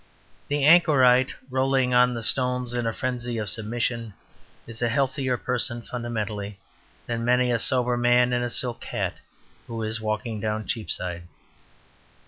The anchorite rolling on the stones in a frenzy of submission is a healthier person fundamentally than many a sober man in a silk hat who is walking down Cheapside.